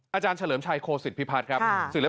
อาจารย์เฉลิมชัยโคศิษฐพิพัฒน์ครับ